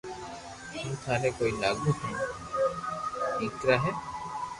ھون ٿاري ڪوئي لاگو ھين ڌاڪر ھي